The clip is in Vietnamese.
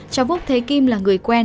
cháu phúc thấy kim là người quen